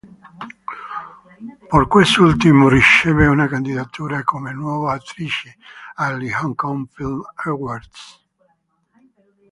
Per quest'ultimo riceve una candidatura come nuova attrice agli Hong Kong Film Awards.